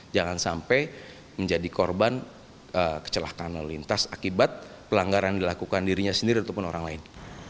jangan sampai menjadi korban kecelakaan lintas akibat pelanggaran dilakukan dirinya sendiri ataupun orang lain